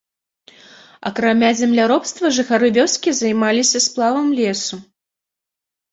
Акрамя земляробства жыхары вёскі займаліся сплавам лесу.